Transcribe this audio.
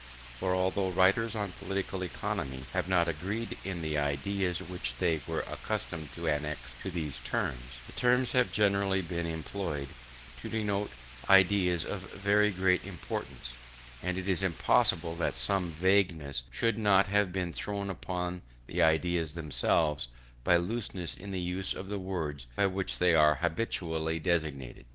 For, although writers on political economy have not agreed in the ideas which they were accustomed to annex to these terms, the terms have generally been employed to denote ideas of very great importance, and it is impossible that some vagueness should not have been thrown upon the ideas themselves by looseness in the use of the words by which they are habitually designated.